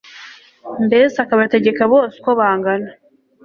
mbese akabategeka bose uko bangana